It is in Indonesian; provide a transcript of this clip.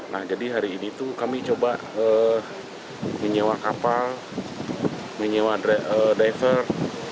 nah jadi hari ini tuh kami coba menyewa kapal menyewa diver